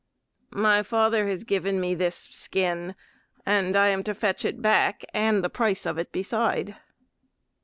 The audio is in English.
"My father has given me this skin, and I am to fetch it back and the price of it beside."